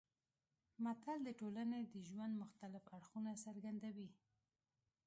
متل د ټولنې د ژوند مختلف اړخونه څرګندوي